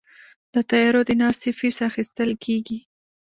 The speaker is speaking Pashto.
د طیارو د ناستې فیس اخیستل کیږي؟